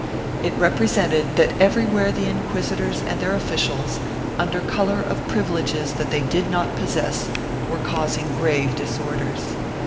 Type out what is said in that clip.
It 532 POPULAR HOSTILITY [BOOK II represented that everywhere the inquisitors and their officials, under color of privileges that they did not possess, were causing grave disorders.